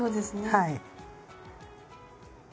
はい。